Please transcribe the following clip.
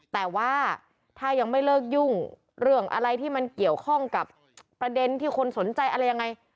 แต่ว่าถ้ายังไม่เลิกยุ่งเรื่องอะไรที่มันเกี่ยวข้องกับประเด็นที่คนสนใจอะไรยังไง